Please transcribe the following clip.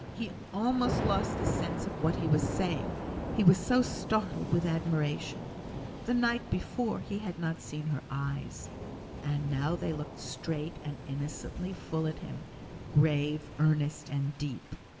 He almost lost the sense of what he was saying, he was so startled into admiration. The night before, he had not seen her eyes; and now they looked straight and innocently full at him, grave, earnest, and deep.